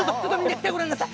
来てごらんなさい。